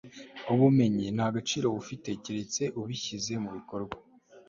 ubumenyi nta gaciro bufite keretse ubishyize mu bikorwa